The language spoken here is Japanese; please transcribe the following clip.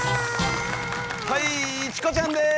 はいチコちゃんです！